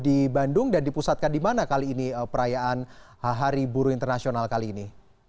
di bandung dan dipusatkan di mana kali ini perayaan hari buruh internasional kali ini